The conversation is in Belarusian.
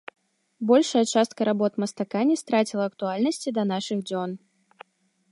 Большая частка работ мастака не страціла актуальнасці да нашых дзён.